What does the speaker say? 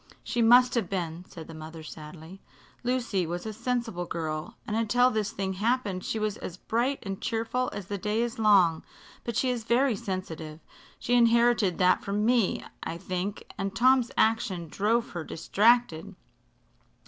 "She must have been," said the mother, sadly. "Lucy was a sensible girl, and until this thing happened she was as bright and cheerful as the day is long. But she is very sensitive she inherited that from me, I think and Tom's action drove her distracted.